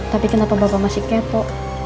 tapi kenapa bapak masih kepo